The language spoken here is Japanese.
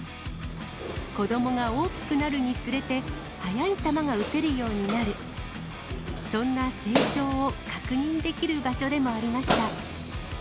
子どもが大きくなるにつれて、速い球が打てるようになる、そんな成長を確認できる場所でもありました。